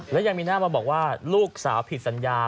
และยังมีหน้ามาบอกว่าลูกสาวผิดสัญญา